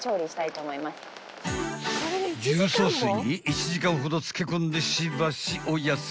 ［重曹水に１時間ほど漬け込んでしばしお休み］